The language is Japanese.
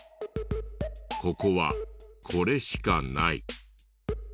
ここはこれしかない。